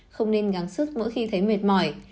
không nên gắng sức mỗi khi thấy mệt mỏi